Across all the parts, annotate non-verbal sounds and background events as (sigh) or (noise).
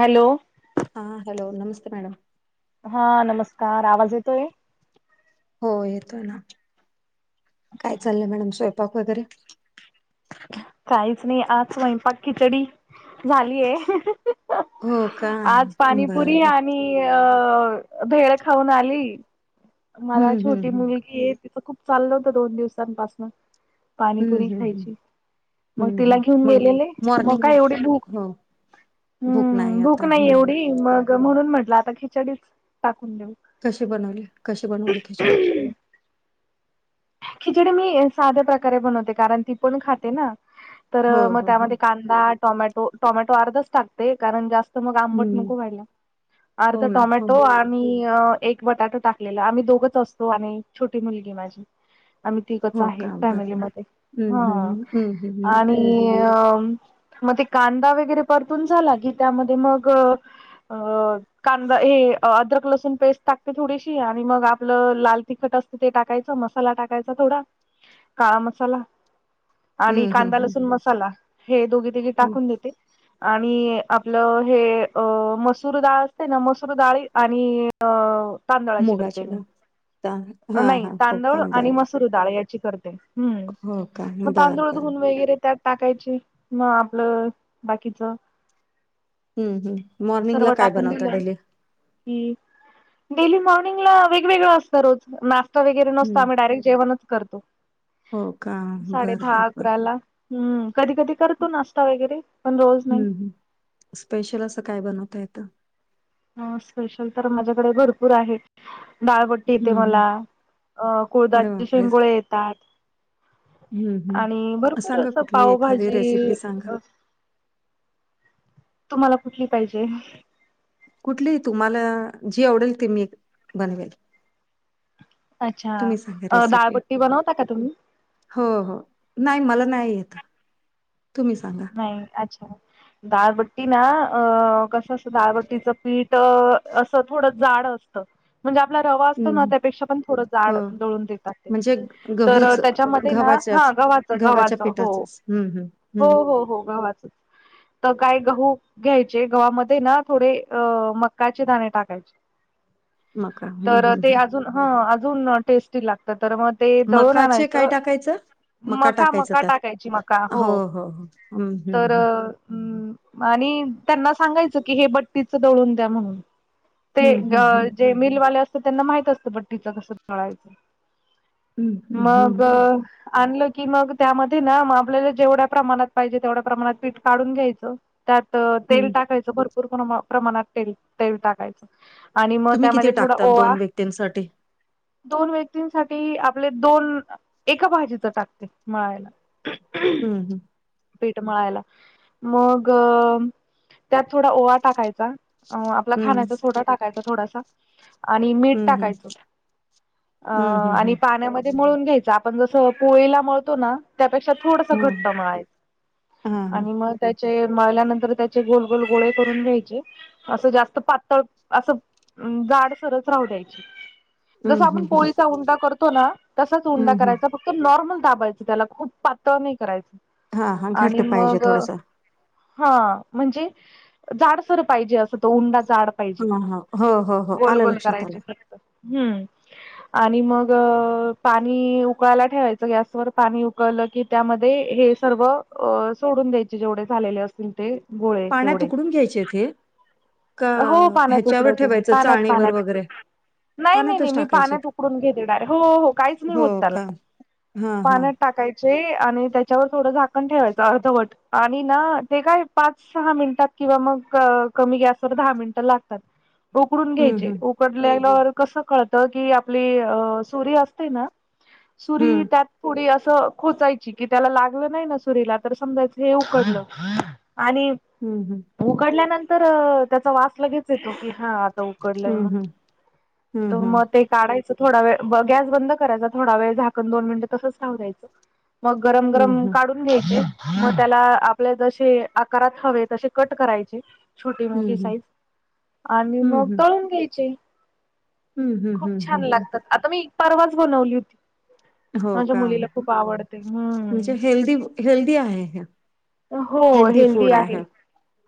Hello. हा hello नमस्ते madam. हा नमस्कार आवाज येतोय. हो येतोय ना काय चाललंय मॅडम स्वयंपाक वगैरे. काहीच नाही आज स्वयंपाक खिचडी झालीये. हो का आज बर पाणीपुरी बर आणि भेळ खाऊन आली मला हम्म हम्म छोटी हम्म मुलगी ये तिच खूप चाललं होतं दोन दिवसांपासून हम्म पाणीपुरी हम्म हम्म खायची मग हम्म तिला हम्म. घेऊन मग गेलेले मग मॉर्निंगला काय एवढी भूक हो हम्म भूक नाही एवढी मग म्हणून म्हटलं आता खिचडीच टाकून देऊ. कशी बनवले कशी बनवली खिचडी. खिचडी मी साध्या प्रकारे बनवते कारण ती पण खाते ना तर हो मग हो हो त्यामध्ये कां दा टोमॅटो टोमॅटो अर्धच टाकते कारण जास्त मग आंबट हम्म नको व्हयला अर्ध हो ना हो टोमॅटो अ आणि एक बटाटो टाकलेला आम्ही दोघच असतो आणि छोटी मुलगी माझी. आम तिकच हो आहे का बरोबर फॅमिलीमध्ये ह हम्म हम्म हम्म हम्म आणि अ अ मग ते कांदा वगैरे परतून झाला की त्यामध्ये मग अ. कांदा हे अद्रक लसूण पेस्ट टाकते थोडीशी आणि मग आपलं लाल तिखट असतें ते टाकायचं मस्त मसाला टाकायचा थोडा काळा मसाला. आणि हम्म हम्म कांदा हम्म लसूण मसाला हे दोघी तघे हम्म टाकून देते. आणि आपलं हे अ मसूर डाळ असते ना मसूर डाळी आणि अ तांदळाची मुगाची करते मी डाळ ता- हा नाही हा हो तांदूळ का बर आणि बर मसूर डाळ याची करते हम हो का मग बर तांदूळ बर धुन वगैरे त्यात टाकायचे म आपलं बाकीच हम्म हम्म मॉर्निंग ला काय बनवत डेली. ती डेली मॉर्निंग ला वेगवेगळ असतं रोज नाश्ता वगैरे नसतो हम्म आम्ही डायरेक्ट जेवणच करतो हो का साडे बर बर दहा बर अकराला हम्म कधी कधी करतो नाशता वगैरे पण रोज नाही. हम्म हम्म स्पेशल असं काय बनवता येत. स्पेशल तर माझ्याकडे भरपूर आहे डाळबट येते हम्म हम्म मला अ अरे कुळदाचे बापरे शेंगोळे येतात. हम्म आणि हम्म भरपूर सांगा असं कुठली एखादी पावभाजी रेसिपी सांगा अस तुम्हाला कुठली पाहिजे. कुठली तुम्हाला जी आवडेल ते मी बनवेल. तुम्ही सांगा अच्छा रेसिपी दाळपट्टी बनवता का तुम्ही हो हो नाही मला नाही येत तुम्ही सांगा नाही अच्छा दाळबट्टी ना अ कसं असं दाळबट्टीचं पीठ असं थोडं जाड असत म्हणजे आपला रवा असतो ना हम्म त्यापेक्षा पण थोडं हो जाड दळून देतात ते म्हणजे तर गहूच त्याच्यामध्ये ना हा गव्हाच गव्हाचा हो हम् हम् हो हो हो गवाचच तर काय गहू घ्यायचे गव्हामध्ये ना थोडे अ मकाचे दाणे टाकायचे मका हम्म तर हम्म ते हम्म अज ह अजून टेस्टी लागतात तर मग ते दळून मकाचे काय आणायचं टाकायचं मका टाकायचं मका त्यात टाकायची मका हो हो हम् तर हम् आणि त्यांना सांगायचं की हे बट्टीच दळून द्या म्हणून ते हम्म हम्म हम्म जे मिलवाले असत त्यांना माहित असतं पट तिचं कसं कळायचं हं, हं, मग हं, आणल की मग त्यामध्ये ना मग आपल्याला जेवढ्या प्रमाणात पाहिजे तेवढ्या प्रमाणात पीठ काढून घ्यायचं त्यात तेल हं. टाकायचं भरपूर प्रमाणात तेल तेल टाकायचं आणि मग तुम्ही किती त्यामध्ये थोडा टाकतात ओवा व्यक्तींसाठी? दोन व्यक्तींसाठी आपले दोन एका भाजीच टाकते मळायला हम् हम् पीठमळायला मग त्यात थोडा ओवा टाकायचा अ आपला हं, खाण्याचा सोटा टाकायचा थोडासा आणि मीठ हं, हं, टाकायचं अ हं, हं, आणि हं. पाण्यामध्ये ळून घ्यायच आपण जस पोळीलाळतो ना त्यापेक्षा थोड घट्ट हां, म्हयच हां, हां. आणि मग त्याचे मळल्यानंतर त्याचे गोल गोल गोळे करून घ्यायचे असं जास्त पातळ असं जाड सरस राहू द्यायची जस हं, हं, आपण हं, पोळीचा उंडा करतो ना तसाच उंडा हं, हं. करायचा फक्त नॉर्मल दाबायचं त्याला खूप पातळ नाही करायच हां, हां. आणि घट्ट पाहिजे मग थोडंसं. हा म्हणजे जाडसर पाहिजे असं तो उंडा जाड हां, हां. हो, हो, हो. गोल आलं गोल लक्षात आलं. करायचे फक्त हम् आणि मग पाणी उकळायला ठेवायचं गॅसवर पाणी उकळलं की त्यामध्ये हे सर्व सोडून द्यायचे जेवढे झालेले असतील ते गोळे पाण्या तेवढे तुकडून घ्यायचेथे हो पाण्यात उकडवते मी ठेवायचं पाण्यात चाळणीवर पाण्यात वगैरे? नाही नाही नाही पाण्यातच मी टाकायचेत? पाण्यात उकडून घे देणार आहे हो हो काहीच नाही हो होत त्याला का? हां, हां. पाण्यात टाकायचे आणि त्याच्यावर थोडं झाकण ठेवायचं अर्धवट आणि ना ते काय पाच सहा मिनिटात किंवा मग कमी गॅसवर दहा मिनट लागतात उकडून हं, घ्यायचे हं, उकडल्याल्या कस कत की आपली सुरी असते ना सु हं, त्यात थोडी असं खोचायची कि त्याला लागलं नाही ना सुरीला तर समजायचं हे उकडलं आणि हम् हम् उकडल्यानंतर त्याचा वास लगेच येतो की हा उकडलंय हं, म्हण हं, हं, तर हं, मग एक काढायचं थोडा वेळ गॅस बंद करायचा थोडा वळ झाकण दोन मिनिटं तसच ठव दयचं मग गरम हं, हं, गरम हं, काढ द्यायचे मग त्याला आपल्या जसे आकारात हवे तसे कट करायचे छोटी मोठी हं, हं, साईज आणि मग हं, तळून घ्यायचे हं, खूप हं, छान हं, हं. लागतात आता मी परवाच बनवली होती हो माझ्या का? मुलीला खूप आवडते म्हणजे हम्म हेल्दी हेल्दी आहे हे हो हेल्दी आहे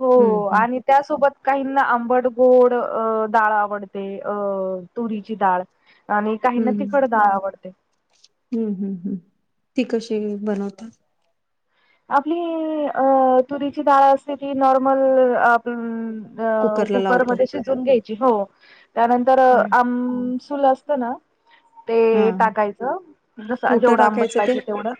हो हम्म हम्म आणि त्यासोबत काहींना आंबड गोड अ डाळ आवडते अ तुरीची डाळ आणि काहीना हम्म तिखड ाळ आवडते हम्म हम्म हम् ती कशे बनवतात? आपली तुरीची डाळ असते ती नॉर्मल अ कुकरला लावतो कुकरमध्ये शि घ्यायची हो त्यानंतर आम सुल असत ना? ते हा टाकायचं जस कुठं जेवढं आंबट टाकायचं ते पाहिजे तेवढं.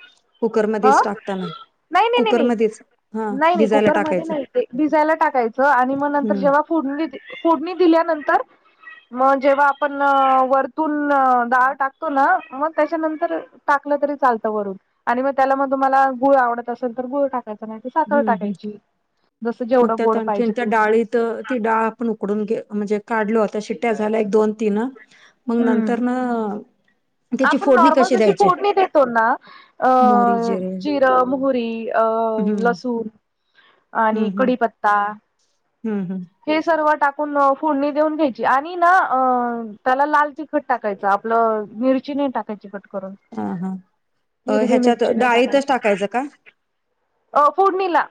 अ कुकरमध्येच टाकताना. नाही नाही नाही नाही कुकरमध्येच हा नाही नाही भिजायला कुकर म टाकायचं नाही ते भिजायला टाकायचं आणि मग नंतर हम्म जेव्हा फोडणी फोडणी दिल्यानंतर मग जेव्हा आपण वर तून डाळ टाकतो ना मग त्याच्यानंतर टाकलं तरी चालतं वरून आणि मग त्याला मग तुम्हाला गुळ आवडत असेल तर गुळ टाक नाहीतर साखर हम्म हम्म टाकायची जसं मग जेवढं त्यात गोड आणखीन पाहिजे त्या तेवढं. डाळीत ती डाळ आपण उकडून म्हणजे काढलो आता शिट्ट्या झाल्या एक दोन तीन मग हम्म नंतर न त्याची आपण फोडणी नॉर्मल कशी जशी द्यायची फूडणी देतो ना अ मोहरी जिरे जिरं मोहरी अ हम्म लसूण आणि कडीपत्ता हम् हम्. हे सर्व टाकून फोडणी देऊन घ्यायची आणि ना त्याला लाल ती खट टाकायचं आपलं मिरची नाही टाकायची कट करून. हा हा हिरवी ह्याच्यात मिरची नाही डाळीतच टाकायची टाकायचं का? अ फोडणीला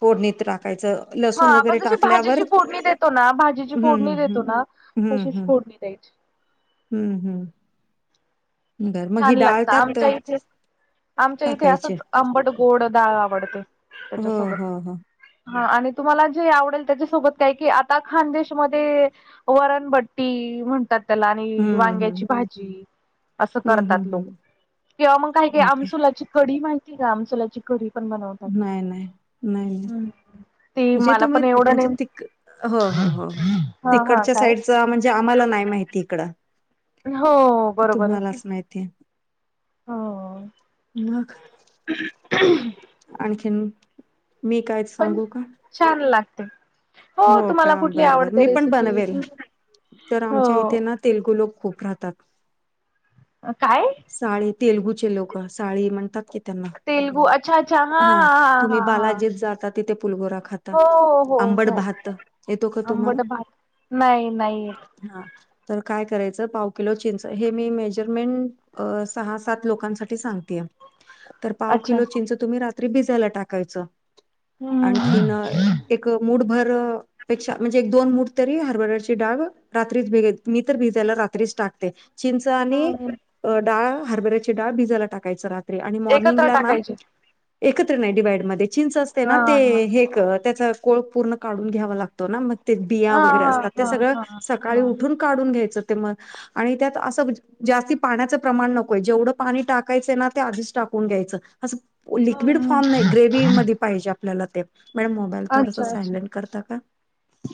फोडणीत टाकायचं हा लसूण वगैरे आपण जशी टाकल्यावर भाजीची फोडणी देतो ना भाजीची हम्म फोडणी देतो हम्म ना हम्म हम्म तशीच फोडणी द्यायची. हम्म हम्. छान लागत त्यात आमच्या इथे आमच्या इथे टाकायची असंच आंबट गोड डाळ आवडते हो त्याच्यासोबत हो हो हा आणि तुम्हाला जे आवडेल त्याच्यासोबत काय कि आता खानदेशमध्ये वरणबट्टी म्हणतात त्याला आणि हम्म हम्म वांग्याची भाजी असं हम्म करतात हम्म लोक हम्म किंवा मग काय काय ओके आमसुलाची कढी माहिती का आमसुलाची कढी? पण बनवतात नाही नाही नाही नाही ती म्हणजे मला तुम्ही पण एवढं म्हणजे नेम तिक हो हा हा काय? ते आम्हाला नाही माहिती इकड हो बरोबर तुम्हालाच माहिती. हो मग? (inaudible) आणखीन मी कायच पण सांगू का? छान लागते. हो तुम्हाला का कुठली बर बर आवडते मी पण रेसिपी बनवेल तर हो. आमच्या इथे ना तेलगु लोक खूप राहतात. काय? साळे तेलुगूचे लोक साळी म्हणतात क त्यांना तेलगू अच्छा अच्छा हा तुम्ही हा हा बालाजीत जाता तिथे पुलगोरा खात हो हो हो हो का आंबट तुम्हाला भात नाही नाही हा तर काय करायचं पाव किलो चिंच हे मी मेजरमेंट अ सहा सात लोकांसाठी सांग तर पाव अच्छा किलो चिंच तुम्ही रात्री भिजायला टाकायचं. हम्म आणखीन एक मूठ भर पेक्षा म्हणजे एक दोन मूठ तरी हरभरची डाळ रात्रीच भि मी तर भिजायला रात्रीच टाकते. चिंच आणि डाळ हरबेराची डाळ भिजायला टाकायचं राहत एकत्र टाकायचे (inaudible) हा हा त्या कोळ पूर्ण काढून घ्यावा लागतो ना मग ते बिया हा वगैरे असतात ते हा सगळं. हा सकाळी हा उठून काढून घ्यायचं ते मग आणि त्यात असं जास्ती पाण्याचं प्रमाण नकोय जेवढं पाणी टाकायचं ना ते आधीच टाकून घ्यायचं असं लिक्विड हा फॉर्म नाही ग्रेव मध्ये पाहिजे आपल्याला ते मॅडम मोबाईल थोडस अच्छा अच्छा सायलेट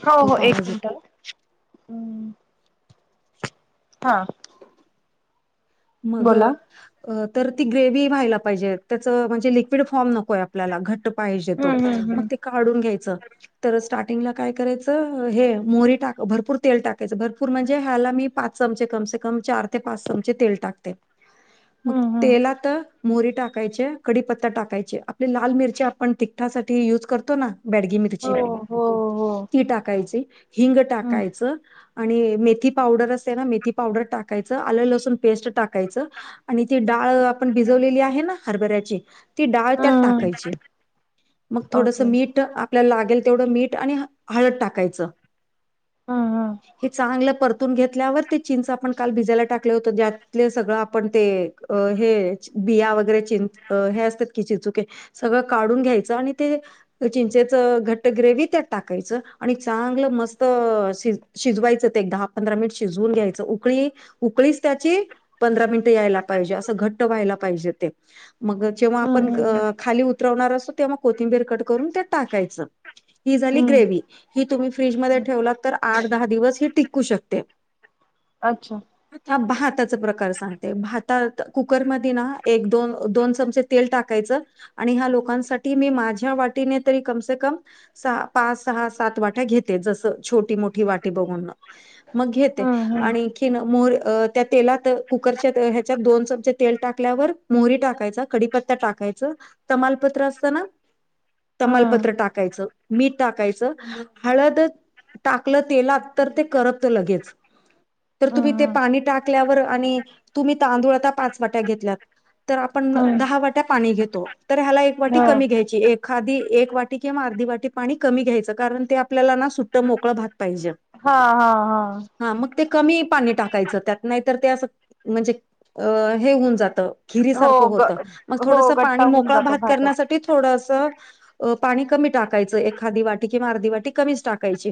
हो हो एक मिनट हम् हा मग तर ती ग्रेव व्हायला पाहिजे त्याचं म्हणजे लिक्विड फॉर्म नकोय आपल्याला घट. पाहिजे तो हम्म हम्म मग ते काढून घ्यायचं. तर स्टार्टिंगला काय करायचं हे मोरी टाक भरपूर तेल टाकायचं भरपूर म्हणजे ह्याला मी. पा चमचे कमसे कम चार ते पाच चमचे तेल टाकते मग हम्म हम्म तेला तर. मोरी टाकायचे कडीीपत्ता टाकायचे आपले लाल मिरच्या आपण तिखठासाठी युज करतो ना. बॅडगिमीथची हम्म हो हो हो ती टाकायची हिंग हम्म टाकायचं. आणि मेथी पावडर असते ना मेथी पावडर टाकायचं आलं लसूण. पेस्ट टाकायच आणि ती डाळ आपण भिजवलेली आहे ना हरभऱ्याची ती डाळ त्यात. टाका हम्म म थोड ओके मी. आपल्याला लागेल तेवढ मीठ आणि हळद टाकायचं हम्म हम्म हे चांगलं पर. ून घेतल्यावर ते चिंच आपण काल भिजाला टाकले होतं त्यात सगळं आपण ते हे बिया वगैरे चिं हे असतात कि चिचुके सगळं काढून घ्यायचं आणि ते चिंचेच घट्ट ग्रेव त्यात टाकायचं आणि चांगलं मस्त शि शिजवायचं ते दहा पंधरा मिनिट शिजवून घ्यायचं उकळी उकळीच त्याची पंधरा मिनिट यायला पाहिजे असं घट्ट व्हायला पाहिजे ते मग जेव्हा आपण हम्म हम्म खाली उतरवणार असतो तेव कोथिंबीर कट करून त्यात टाकायचं ही झाली हम्म ग्रेव ही तुम्ही फ्रीजमध्ये ठेवला तर आठ दहा दिवस ही टिकू शकते अच्छा आता बहतच प्र सांगते भातात कुकर म ना एक दोन दोन चमचे तेल टाकायचं. आणि ह्या लोकांसाठी मी माझ्या वाटीने तरी कमसे कम सहा पाच सहा सात वाट्या घेते जसं छोटी मोठी वाटी बघणं मग घेते हम्म हम्म आणखी मोर त्या तेलात कुकरच्या ह्याच्यात दोन चमचे तेल टाकल्यावर मोहरी टाकायच कडीीपत्ता टाकायच तमालपत्र असतना हम्म तमालपत्र टाकायचं मीठ टाकायचं हळद टाकलं तेलात तर ते करत लगेच तर तुम्ही ते हम्म पाणी टाकल्यावर आणि तुम्ही तांदूळ आता पाच वाट्या घेतल्यात तर आपण हम्म हम्म दहा वाट्या पाणी घेतो तर ह्याला एक वाटी हो कमी घ्यायची एखादी एक वाटी किंवा अर्धी वाटी पाणी कमी घ्यायचं कारण ते आपल्याला ना सुट्ट मोकळं भात पाहिजे हा हा हा हा मग ते कमी पाणी टाकायचं त्यात नाहीतर ते असं म्हणजे अ हे होऊन जातं. खिरी हो सारखं ग होत मग हो थोडसं गट्टा पाणी होऊन मोकळा जातो भात भातच करण्यासाठी- थोडसं पाणी कमी टाकायचं एखादी वाटी किंवा अर्धी वाटी कमीच टाकायची.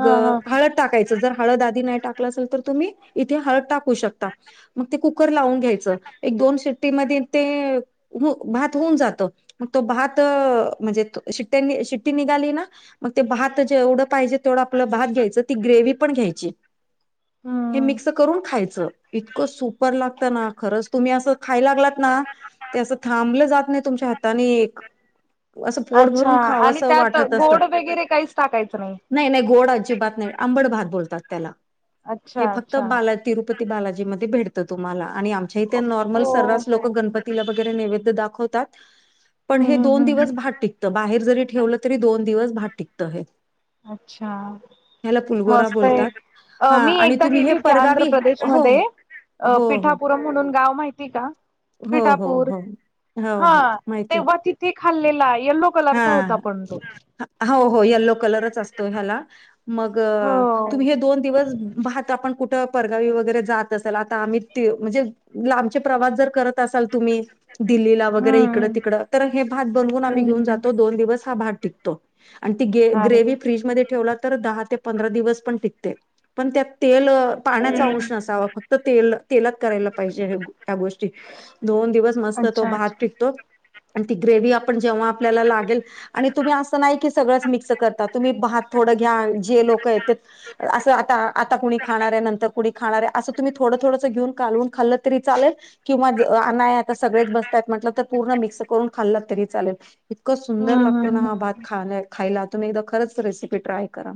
हा हा हळद टाकायचं जर हळद आधी नाही टाकलं असेल तर तुम्ही इथे हळद टाक. शक मग ते कुकर लावून घ्यायचं एक दोन शिट्टीमध्ये ते- हो भात होऊन जातं मग तो भात म्हणजे शिट्ट्यांनी शिट्टी निघाली ना मग ते भात जेवढं पाहिजे तेवढं आपलं भात घ्यायचं ती ग्रेव्ही पण घ्यायची. हे हम्म मिक्स करून खायचं इतकं सुपर लागत ना खरंच तुम्ही असं खायला लागलात ना ते असं थांबलं जात नाही तुमच्या हाताने एक. असं पोट अच्छा भरून आणि खावंसं त्यात वाटत असं गोड वगैरे काहीच टाकायचं नाही. नाही नाही गोड अजी बात नाही आंबड भात बोलतात त्याला. अच्छा अच्छा तिुपती बालाजी म भेटत तुम्हाला आणि आमच्या इथे हो नॉर्मल सर्र हो लोक गणपती तिला वगैरे नैवेद दाखवतात पण हे हम्म हम्म दोन दिवस हम्म भाटिक. बाहेर जरी ठेवलं तरी दोन दिवस भात टिकतं हे अच्छा ह्याला पुलगोरा मस्त आहे बोलतात अ हा मी आणि एकदा तुम्ही गेली हे होती. ते आंध्र परगावी हो प्रदेशमध्येध्ये अ हो हो पिठापुरम म्हणून गाव माहिती का? हो हो पिठापूर हो हो हा हो माहिती आहे. तेव्हा तिथे खाल्लेला येल्लो कलरचा हां, होता पण तो. हो हो यल्लो कलरच असतो ह्याला मग हो तुम्ही हे दोन दिवस पाहात आपण कुगावी वगरे जात असेल आमे प्रवासत असाल तुम्ही दिल्लीला वगैरे इकड हम्म तिकड तर हे भात बनून आम् घेऊन हम्म जात दोन दिवस हा भात टिकतो आणि ती अरे वा. ग्रेव्ही फ्रीजमध्ये ठेवली तर- पंधरा दिवस पण टिकते पण त्या तेल पाण्याचा हम्म अंश नावा फक्त तेल तेलात करायला पाहिजे ह्या गोष्टी दोन दिवस मस्त तो अच्छा भात अच्छा पिकतो आणि ती ग्रेव आपण जेव्हा ला लागेल आणि तुम्ही अस नाही सगळंच मिक्स करता तुम्ही भात थोडं घ्या जे लोक येत असं आता आता कुणी खाणार आहे नंतर कुणी खाणार आहे असं तुम्ही थोडं थोडंस घेऊन कालवून खाल्ल तरी चालेल किंवा अय आता सगळेच बसतयत म्हटलं तर पूर्ण मिक्स करून खाल्लत तरी चालेल इतकं सुंदर हम्म लागतो हम्म ना हा हम्म भात खा खायला तुम्ही एकदा खरंच रेसिपी ट्राय करा